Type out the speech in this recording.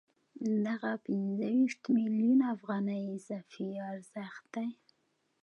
دغه پنځه ویشت میلیونه افغانۍ اضافي ارزښت دی